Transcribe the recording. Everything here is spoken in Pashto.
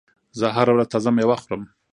زه هره ورځ تازه میوه خورم.